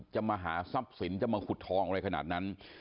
จะมาหาทรัพย์สินจะมาขุดทองอะไรขนาดนั้น